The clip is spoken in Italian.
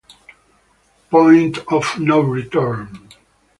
Point of No Return